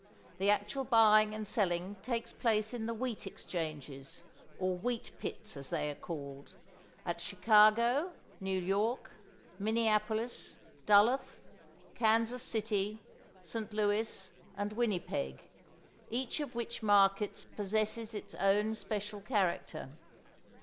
The actual buying and selling takes place in the wheat exchanges, or wheat pits as they are called, at Chicago, New York, Minneapolis, Duluth, Kansas City, St Louis, and Winnipeg, each of which markets possesses its own special character.